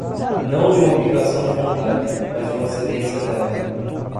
não de uma aplicação de vontade, mas de uma cedência dela.